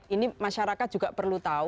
ini masyarakat juga perlu tahu